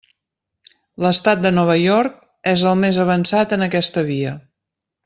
L'estat de Nova York és el més avançat en aquesta via.